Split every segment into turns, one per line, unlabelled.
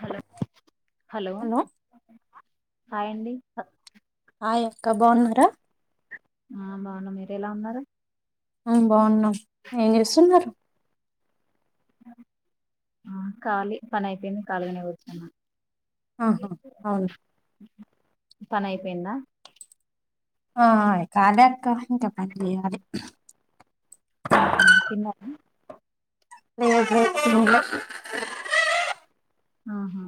Hello hello hi అండి.
Hi అక్క బావున్నారా?
ఆ బావున్నాం. మీరేలా ఉన్నారు?
ఆ బాగున్నాం. ఏం చేస్తున్నారు?
ఆ ఖాళీ పని అయిపోయింది. ఖల్గానే కూర్చున్న.
ఆహా అవును
పనైయిపోయిందా?
ఆ కాలెక్క ఇంకా పన్గాలే
ఉహ్ హు తిన్నారా?
లేదు ఇప్పుడే వచ్చినం [inaudible]
ఆహా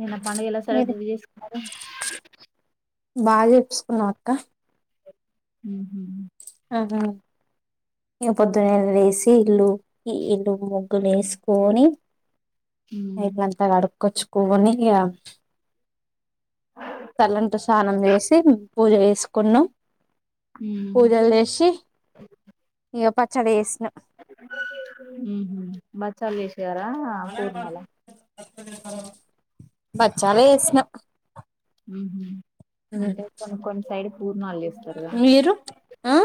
నిన్న పండగ ఎలా
మీరు
సెలెబ్రేట్ చేసుకున్నారు?
బాగ చేసుకున్నాం. అక్క
ఉహ్ హు
ఆహా ఇగ పొద్దున్నే లేసి ఇల్లు ఇల్లు ముగ్గులేసుకొని
ఉ
బయటంతా కడు కొచ్చుకొని ఇగ తల్లంటు స్నానం చేసి పూజ చేసుకున్నాం పూజలు చేసి ఇగ పచ్చడి చేసినమ్
బచ్చల్ చేశారా పూర్ణాల
బచ్చాలే చేసినా
ఉహూ అంటే కొన్ని కొన్ని సైడ్ పూర్ణాలు చేస్తారుగా
మీరు ఆ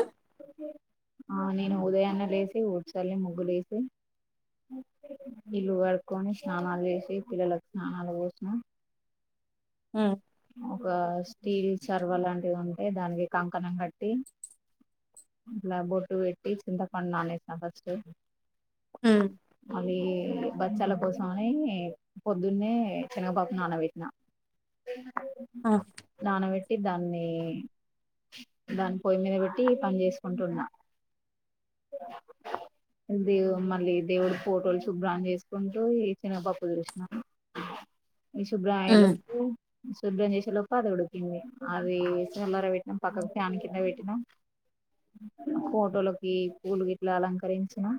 ఆ నేను ఉదయాన్నే లేేసి ఊడ్చిలే ముగ్గు లేేసి ఇల్లు కడుకొని స్నానాలు చేసి పిల్లలకు స్నానాల పోసినమ్.
ఉ
ఒక స్టీల్ చర్వలాంటిది ఉంటే దానికి కంకణం కట్టి అట్లా బొట్టు పెట్టి చింత పండు నానేస్నా ఫస్టు
ఉ
అవీ బచ్చాల కోసమని పొద్దున్నే చెనగపప్పు నానపెట్టిన [inaudible]
ఆ
ట్టి దాన్ని దాన్ని పొయ్యి మీద పెట్టి పని చేసుకుంటున్నా. [inaudible] దే మళ్ళీ దేవుడు ఫోటోలు శుభ్రం చేసుకుంటూ ఈ శెనగపప్పు చూసిను. ఈ శుభ్రం అయె లోపు శుభ్రం చేసే లోప్పు అది ఉడికింది అది చల్లార పెట్టిన్నం పక్కకు ప్యాన్ కింద పెట్టిన్నం. ఫోటోలకి పూలు గిట్లా అలంకరించినమ్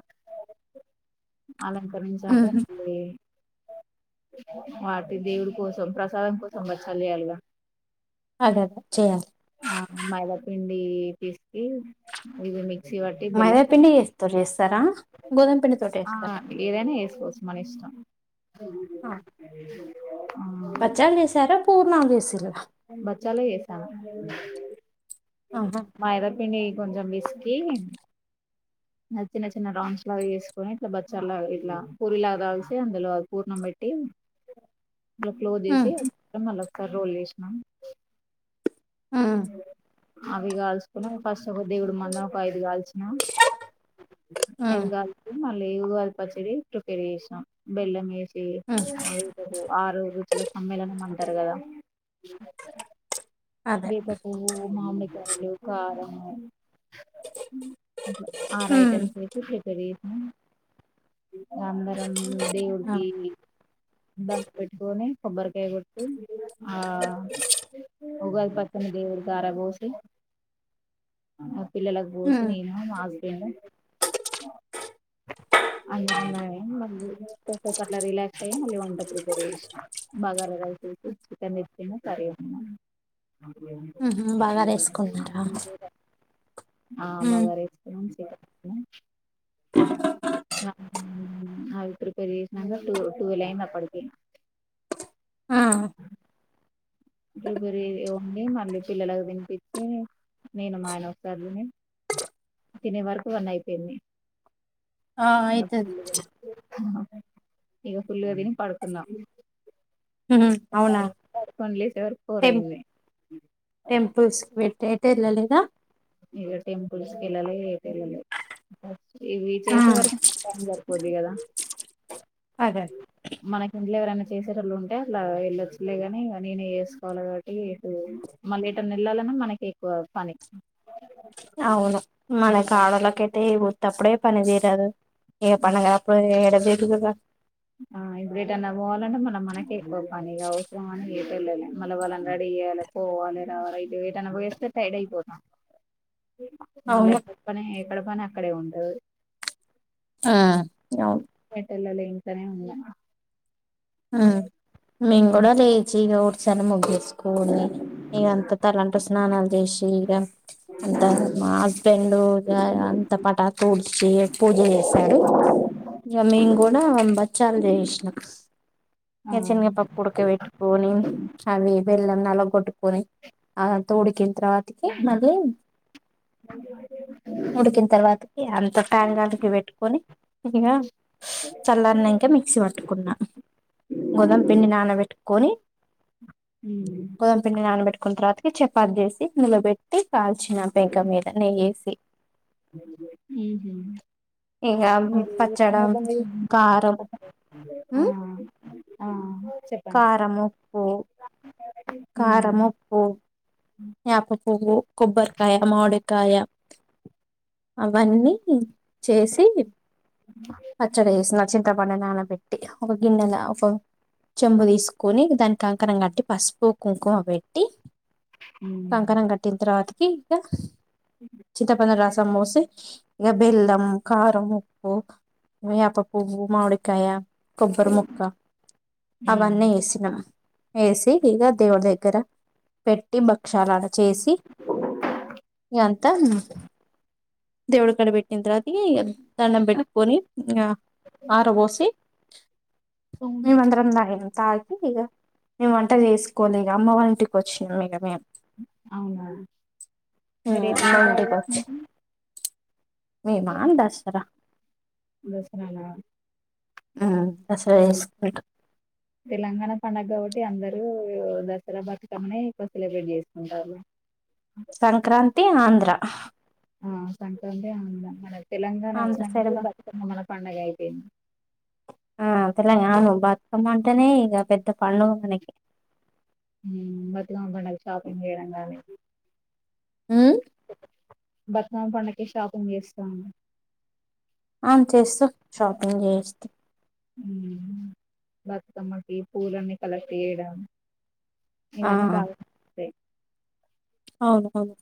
అలంకరించాక మళ్ళీ వాటి దేవుడి కోసం ప్రసాదం కోసం బచ్చాల్ చెయాలిగా
అదే అదే చేయాలి
ఆ మైదాపిండి డి పిస్కి ఇగొ మీ
మైదాపిండి ఎస్తో చేస్తారా గోధుమ పిండి తోటి
ఆ
యెస్తారా.
ఏదైనా వేసుకోవచ్చు మన ఇష్టం [inaudible] ఆ
బచ్చాల్ చేసారా పూర్నాలు చేస
బచ్చాలే చేసాను
ఆహా
మైదాపిండి కొంచం పిస్కి చిన్న చిన్న చిన్న రౌండ్స్ లాగా చేసుకొని ఇట్లా బచ్చాలాగా ఇట్లా పూరిలాగా కాల్చి అందులో పూర్ణం పెట్టి. మళ్ల క్లోజ్
ఉమ్
చేసి మళ్ళ ఒకసారి రోల్ చేస్
ఉమ్
[inaudible] అవి కాల్చుకొని ఫస్ట్ ఒక దేవుడు మళ్లా ఒక ఐదు కాల్చిన.
ఉమ్
ఐదు గాల్చి మళ్ళీ ఉగాది పచ్చడి ప్రిపేర్ చేసినా బెల్లం వేసి యె
ఉమ్
ఆరు రుచుల సమ్మేళనం అంటారు కదా
అదే
వేప పూవు మామిడి కాయలు కారము ఉ అట్లా ఆర్
ఉమ్
ఐటమ్స్ వేసి ప్రిపేర్ చే అందరం
ఆ
దేవుడికి దండం పెట్టుకొని కొబ్బరికాయ గొట్టి ఆ ఉగాది పచ్చడ్ని దేవుడికి కారా బోసి పిల్లలకు పోసి
ఉమ్
నేను మా హస్బెండు [inaudible] అందరం తాగి మళ్ళీ కాసెపు అట్లా రిలాక్స్ అయ్యి మళ్ళీ వంట ప్రిపేర్ చేసిన్నా బగారా రైస్ చికెన్ తెచ్చుకున్న కరీ చేసిన
ఉహు బగారేసుకున్నారా
ఆ బగరేసుకున్నాం చికెన్ వేసుకున్నాం ఆ అది ప్రిపేర్ చేసినాక టూ ట్వెల్వ్ అయింది అప్పటికి
ఆ
ఇద్దరు గురి ఉండి మళ్ళీ పిల్లలకు విినిపించి నేను మా ఆయన ఒకసారిని తినే వరకువన్నీ అయిపోయింది
ఆ ఆయితది
ఇక ఫుల్ గా తిని పడుకుంనా
అవునా
లేసే వరకు ఫోర్
టం
అయింది
టెంపుల్స్ పెట్టి అయితే వెళ్ళలేదా
ఇగ టెంపుల్స్ కి వేళలే పిల్లలే ఇవి
ఆ
చేసే వరకి టైమ్ సరిపోది కదా
అదే
మనకి ఇంట్లో ఎవరైనా చేసేటళు ఉంటే అట్లా వీళ్ళు వచ్చలే కాని నేనేస్త తీసుకోవాలి కాబట్టి ఇటు మళ్ళీ ఇటు నిళ్లాలన్నా మనకి ఎక్కువ పని
అవును మన
మళ్ళీ
కాడలకైతే గుట్టప్పుడే పని తీరదు ఏక పడుంగా అప్పుడు ఇడదిద
ఆ ఇప్పుడు ఏటన్నా పోవాలంటే మళ్ళీ మనక ఎక్కువ పని అవసరం అని ఏ వెళ్ళాలి మళ్ళ వాళ్ళ రెడీ తెాల పోవాలి రావాల ఇది ఇద వస్ ఎడయిపోదం మళ్ళా
అవును
ఎక్కడ పని ఎక్కడ పని అక్కడే ఉండదు
ఆ అవును
ఎల్ాల ఏం సనే ఉన్నా
మేం కూడా లేచ్చ ఇ ఊర్ సార్ ముగి స్కూల్ని ఇకంత తల్లంటూ స్నానాలు చేసి ఇక అంత మా హస్బెండ్ అంత పటాకు డిచి పూజ చేసాడు ఇ మేం కూడా బచ్చాలు చేసినాం
ఆ
ఇ
ఆహా.
చిన్నగా పప్పు ఉడక పెట్టుకొని అవి వెెల్ళం నలగొట్టుకొని తోడికిన తర్వాతకి మళ్ళీ
అ
ఉడికిన తర్వాతకి అంత ట్యాంగానికి పెట్టుకొని అదిగా చల్లన్నా ఇంకా మిక్సీ పట్టుకున్నా
ఉమ్
గోదమ పిండి నానబెట్టుకొని గదమ పిండి నానబెట్టుకున్న తర్వాత చపాతి చేసి నిలబెట్టి కాల్చిన పెంక మీద నెయ్యేసి ఇక
అ
పచ్చడ కారం ఉమ్
[inaudible] ఆ
కారం ఉప్పు కఖారం
ఉమ్
ఉప్పు యాప పూవు కొబ్బరికాయ మాడ కాయ అవన్నీ చేసి అచ్చడి వేసిన చింతపండు నానబెట్టి ఒక గిన్నెన ఒక చెంబు తీసుకొని దానికి కంకణం కట్టి పసుపు కుంకుమ పెట్టి
ఉమ్
కంకణం కట్టిన తర్వాతకి ఇంక చింతపనులు రాస్త సమోసే ఇక బెల్లం కారం ఉప్పు అపా పువ్వు మామిడికాయ కొబ్బరి ముక్క అవన్నీ వేసినమా వేసి ఇక దేవుడి దగ్గర పెట్టి భక్షాలన చేసి ఎ ఎంత దేవడు కడ పెట్టింద అది దన్న బట్కని ఆ ఆరబోసి
ఉమ్
దా తాగి ఇక మేము వంట చేసుకోవి ఇక అమ్మ వా ఇంటికి వచ్చినాం ఇక మేము
అవునా మీరు ఏ
అమ్మ
పండగ బాగా
ఇంటికి వచ్చి
[unintelligible]
మేమా దసరా
దసరా నా
ఆ
తెలంగాణ పండగ కాద అందరు దసరా బతుకమ్మనే ఎక్కువ సెలబ్రేట్ చేసుకుంటారు
సంక్రాంతి ఆంధ్ర
ఆ సంక్రాంతి ఆంధ్ర తెలంగాణ
ఆంధ్ర
వచ్చినంటే
సైడ్
బతుకమ్మా మన పండుగ అయిపోయింది
అమ్మ అంటేనే ఇక పెద్ద పండుగ మనకి
ఉమ్, బతుకమ్మ పండగ షాపింగ్ చేయడం కానీ
అ
బతుకమ్మ పండుగకి షాపింగ్ చేస్తాము
ఆ చేస్తూ షాపింగ్ చేస్త
బతుకమ్మకి పూలన్నీ కలెక్ట్ చేయడం
ఆ
ఇవన్నీ బాగా [unintelligible]
అవును అవును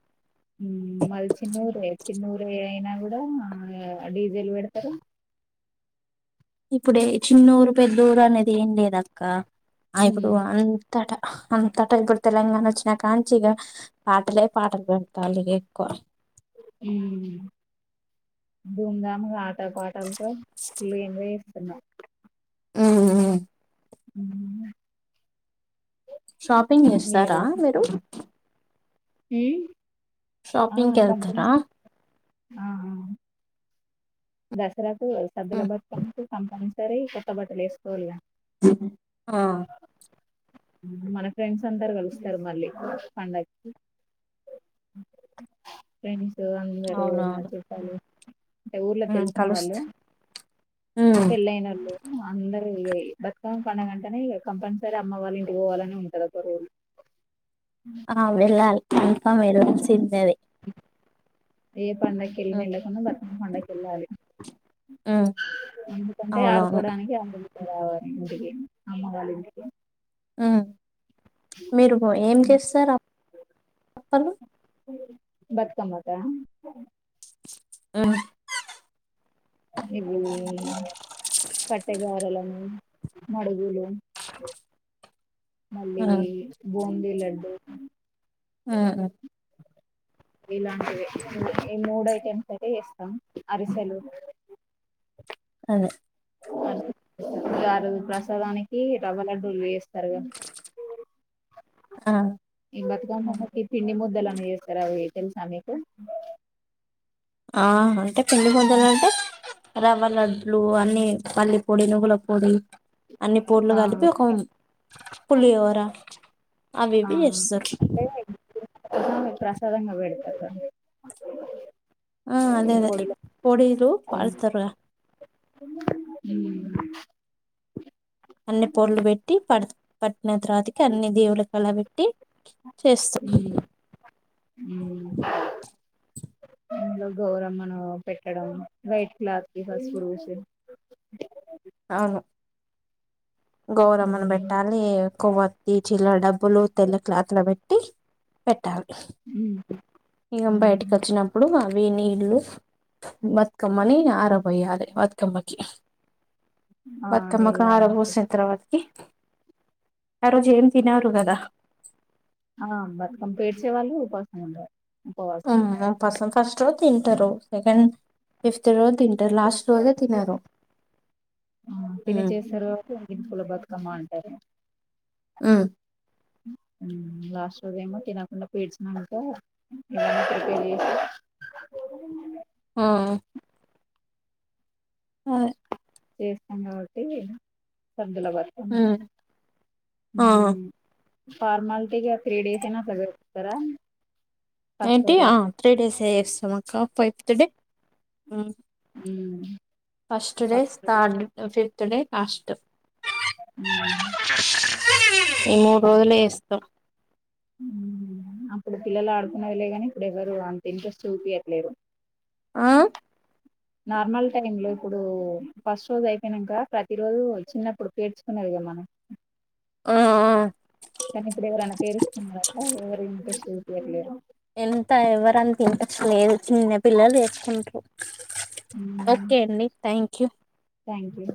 మాది చిన్నూరే చిన్నూరే అయినా కూడా డీజెలు పెడతారు
ఇప్పుడే చిన్నూరు పెద్దూరు అనేది ఏం లేదు అక్క
ఉమ్,
ఇప్పుడు అంతట అంతట ఇప్పుడు తెలంగాణ వచ్చినా కా నుంచి ఇక పాటలే పాటలు పెడతారు ఎక్కువ
ధూంధంగా ఆట పాటలతో ఫుల్ ఎంజాయ్ చేస్తుంనారు
ఉ
అ
షాపింగ్ చేస్తారా మీరు షాపింగ్ కి వెళ్తారా
ఉమ్ దసరకు సద్దుల బతకమ్మ కంపల్సరీ కొత్త బట్టలు వేసుకోవాలిగా
ఆ
మన ఫ్రెండ్స్ అందరు కలుస్తారు మళ్ళీ పండగకి ఫ్రెండ్స్ అందరు మా చుట్టాలు ఊర్లో తెలిసిన
కలుస్త
వాళ్ళు పెళ్ళయినోళ్ళు అందరు ఇ బతుకమ్మ పండగంటనే కంపల్సరీ అమ్మ వాళ్ళు ఇంటికి పోవాలని ఉంటది ఒక రోజు
ఆ వెళ్ళాలి కన్ఫర్మ్ వెళ్లాల్సింది అది
ఏ పండకి వెళ్ళిన
ఉమ్
వెళ్ళకుండా బతుకమ్మా పండకు వెళ్ళాలి
ఆ
ఎందుకంటే ఆడుకోవడానికి [inaudible] రావాలి ఇంటికి అమ్మ వాళ్ళ ఇంటికి
మీరు ఏం చేస్తారు అప్పలు
బతుకమ్మ కా
ఆ
ఇది కట్టెగారలను మడుగులు మళ్ళీ
అదే
బూందీ లడ్డూ
ఆ
ఇలాంటివి ఈ మూడు ఐటెమ్స్ అయితే చేస్తాం అరిసెలు [unintelligible] ప్రసాదానికి రవలడ్డూలు వేస్త గా
ఆ
బతుక కి పిండి ముద్దలని చేస్తారు అవి తెలుసా మీకు
ఆ అంటే పిండి ముద్దలు అంటే రవ్వ లడ్లు అన్ని పల్ల పొడి నువ్ల పొడి అన్ని పూడ్లు
ఆ
కలిపి ఒక పులిహోరా అవివి చేస్తారు
అమ ప్రసాదంగా పేడతరూ కదా
ఆ అదే అదే పొడిలు పల్స్తారు
అ
అన్ని పోడ్లు పెట్టి పడు పట్ విఘ్నత్ర్రాతికి అన్ని దేవులు కళ పెట్టి చేస్తాం
అ ఇందులో గౌరమ్మను పెట్టడం వైట్ క్లాత్ కి పసుపు పూసి
అవును గోరమ్మను
ఉమ్
పెట్టాలి కొవ్వత్తి చిల్లర డబ్బులు తెల్ల క్లాత్ల పెట్టి పెట్టాలి
ఉమ్
ఇక బయటకి వచ్చినప్పుడు నీళ్లు బతుకమ్మని ఆరబోయాలి బతుకమ్మకి
ఆ
బతుకమ్మకు
నీళ్ల
ఆరబోసిన ఆ రోజు ఏం తినరు కదా
ఆ బతుకం పేర్చేవాళ్ళు ఉపాసం ఉండి
ఫ ఫస్ట్ రోజు తింటారు సెకండ్ ఫిఫ్త్ రోజు తింటారు లాస్ట్ రోజే తినరు
ఆ తిని
ఉమ్.
చేస్తారు కాబట్టి ఎంగిలిపూల బతుకమ్మా అంటారు లాస్ట్ రోజ ఏమో తినకుండా పీడ్చినంట ప్రిపేర్ చేసి
ఆ ఆ
చేస్తాం కాబట్టి సద్దుల బతుకమ్మ
ఆ,
ఫార్మాలిటీగా త్రీ డేస్ ఏనా అట్లా జరుగుతారా
నైటీ త్రీ డేస్ అస్తాం అక్క ఫైఫ్త్ డే
ఉ
ఫస్ట్ డే స్ర్ ఫిఫత్ డే లాస్ట్
అ
ఈ మూడు రోజులేస్తాం
అప్పుడు పిల్లలు ఆడుకున్నదిలే కాని ఇప్పుడు ఎవ్వరు అంత ఇంట్రెస్ట్ చూపియట్లేరూ
ఆ
నార్మల్ టైమ్ లో ఇప్పుడు ఫస్ట్ రోజు అయిపోయినాక ప్రతి రోజు చిన్నప్పుడు పేర్చుకు అగ మని
ఆ ఆ
కానీ ఇప్పుడు ఎవరన్న ఇరుస్తున్నార ఎవరు ఇంట్రెస్ట్ చూపీయట్లేరా
ఎంత ఎవరని అంత ఇంట్రెస్ట్ లేదు చిన్న పిల్లలు తెసుకుంటూరూ ఓకే అండి థ్యాంక్ యూ
థ్యాంక్ యూ